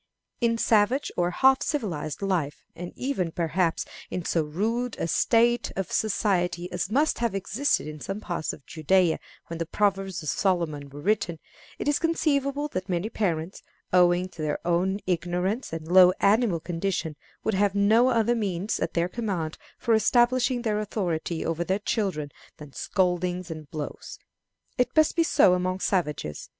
In savage or half civilized life, and even, perhaps, in so rude a state of society as must have existed in some parts of Judea when the Proverbs of Solomon were written, it is conceivable that many parents, owing to their own ignorance, and low animal condition, would have no other means at their command for establishing their authority over their children than scoldings and blows. It must be so among savages.